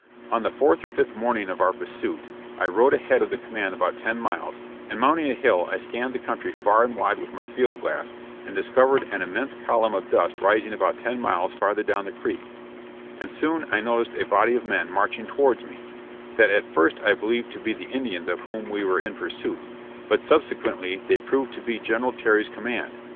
On the fourth or fifth morning of our pursuit, I rode ahead of the command about ten miles, and mounting a hill I scanned the country far and wide with my field glass, and discovered an immense column of dust rising about ten miles further down the creek, and soon I noticed a body of men marching towards me, that at first I believed to be the Indians of whom we were in pursuit; but subsequently they proved to be General Terry's command.